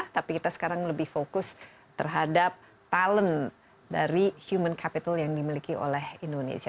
tapi kita sekarang lebih fokus terhadap talent dari human capital yang dimiliki oleh indonesia